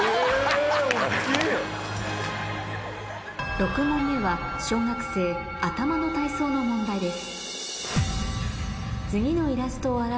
６問目は小学生頭の体操の問題です